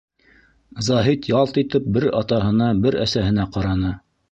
Заһит ялт итеп бер атаһына, бер әсәһенә ҡараны.